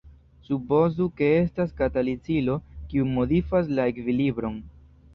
Supozu ke estas katalizilo kiu modifas la ekvilibron.